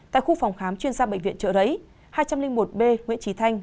tại khu phòng khám chuyên gia bệnh viện chợ đấy hai trăm linh một b nguyễn trí thanh